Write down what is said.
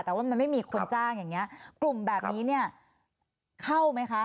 แต่ว่ามันไม่มีคนจ้างอย่างนี้กลุ่มแบบนี้เนี่ยเข้าไหมคะ